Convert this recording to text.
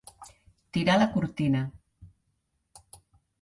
Tirar la cortina.